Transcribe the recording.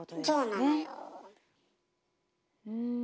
うん。